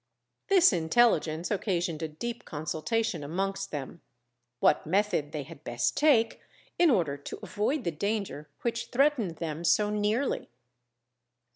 _ This intelligence occasioned a deep consultation amongst them, what method they had best take, in order to avoid the danger which threatened them so nearly.